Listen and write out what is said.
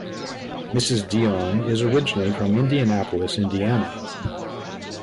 Mrs. Deon is originally from Indianapolis, Indiana.